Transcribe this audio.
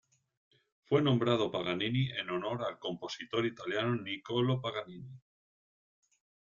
Fue nombrado Paganini en honor al compositor italiano Niccolò Paganini.